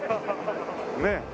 ねえ。